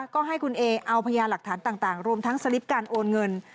ก็ให้คุณเอเอาพยานหลักฐานต่างรวมทั้งสลิปการโอนเงิน